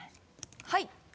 はい。